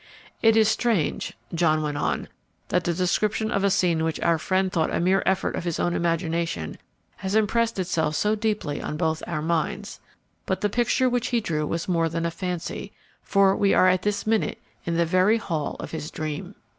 "It is strange," John went on, "that the description of a scene which our friend thought a mere effort of his own imagination has impressed itself so deeply on both our minds. But the picture which he drew was more than a fancy, for we are at this minute in the very hall of his dream."